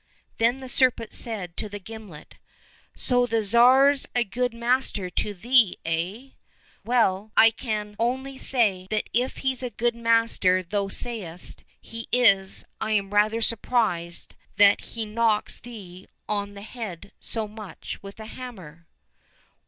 — Then the serpent said to the gimlet, " So the Tsar's a good master to thee, eh ! Well, I can only say that if he's the good master thou say est he is, I am rather surprised that he knocks thee on the head so much with a hammer."